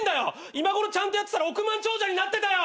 今ごろちゃんとやってたら億万長者になってたよ！